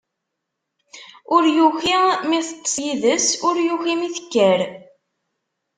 Ur yuki mi teṭṭeṣ yid-s, ur yuki mi tekker.